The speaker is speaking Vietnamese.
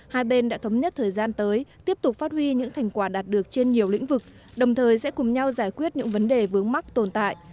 hai bên đã thống nhất thời gian tới tiếp tục phát huy những thành quả đạt được trên nhiều lĩnh vực đồng thời sẽ cùng nhau giải quyết những vấn đề vướng mắc tồn tại